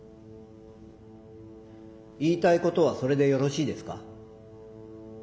言いたいことはそれでよろしいですか？